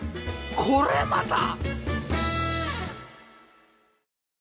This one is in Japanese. これまた！